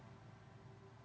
nah itu sudah diperhatikan